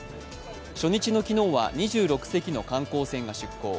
初日の昨日は２６隻の観光船が出航。